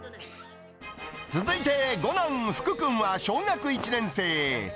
続いて、五男、風孔君は小学１年生。